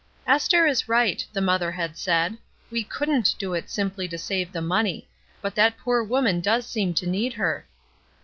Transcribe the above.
''Esther is right," the mother had said. "We couldnH do it simply to save the money; but that poor woman does seem to need her."